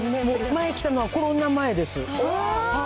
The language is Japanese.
前来たのはコロナ前です。